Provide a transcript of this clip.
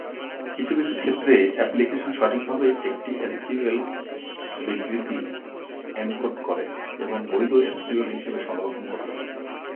কিছু কিছু ক্ষেত্রে, অ্যাপ্লিকেশন সঠিকভাবে একটি এসকিউএল বিবৃতি এনকোড করে এবং বৈধ এসকিউএল হিসাবে সংরক্ষণ করতে পারে।